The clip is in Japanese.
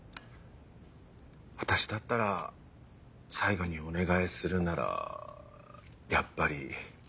私だったら最後にお願いするならやっぱり。